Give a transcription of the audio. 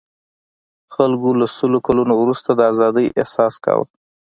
خلکو له سلو کلنو وروسته د آزادۍاحساس کاوه.